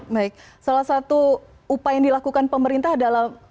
baik salah satu upaya yang dilakukan pemerintah adalah